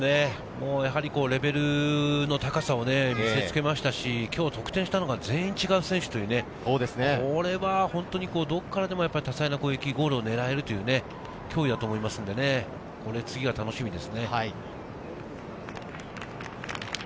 レベルの高さを見せつけましたし、今日得点したのが全員違う選手という、これは本当に、どこからでも多彩な攻撃、ゴールを狙えるという脅威だと思いますんでね、次が楽しみですね。